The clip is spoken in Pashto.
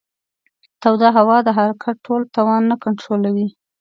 توده هوا د حرکت ټول توان نه کنټرولوي.